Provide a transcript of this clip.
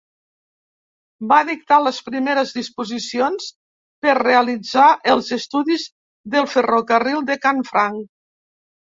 Va dictar les primeres disposicions per realitzar els estudis del ferrocarril de Canfranc.